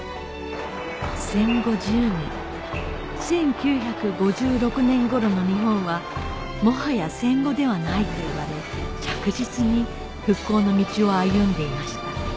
戦後１０年１９５６年頃の日本は「もはや戦後ではない」と言われ着実に復興の道を歩んでいました